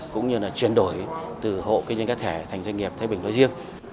cũng như là chuyển đổi từ hộ kinh doanh cá thể thành doanh nghiệp thái bình nói riêng